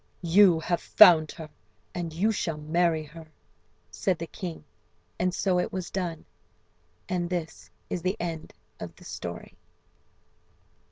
"You have found her, and you shall marry her," said the king; and so it was done. And this is the end of the story.